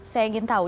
saya ingin tahu